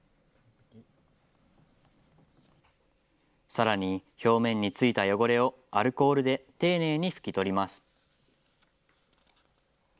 さらに表面に付いた汚れをアルコールで丁寧に拭き取ります。